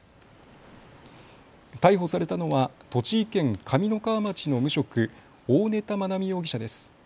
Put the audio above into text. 逮捕されたのは栃木県上三川町の無職、大根田愛美容疑者です。